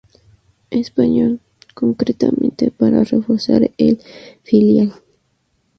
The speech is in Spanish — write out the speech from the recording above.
Español, concretamente para reforzar el filial.